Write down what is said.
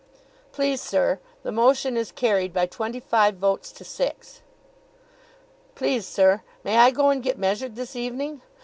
"Please, sir, the motion is carried by twenty five votes to six." "Please, sir, may I go and get measured this evening?"